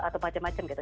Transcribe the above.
atau macam macam gitu